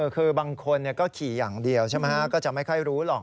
คือบางคนก็ขี่อย่างเดียวใช่ไหมฮะก็จะไม่ค่อยรู้หรอก